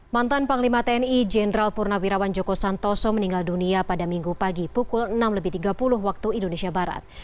mantan panglima tni jenderal purnawirawan joko santoso meninggal dunia pada minggu pagi pukul enam tiga puluh waktu indonesia barat